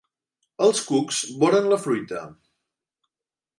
Els cucs boren la fruita.